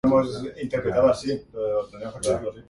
Downing does not want it?